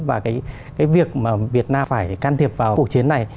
và việc việt nam phải can thiệp vào cuộc chiến này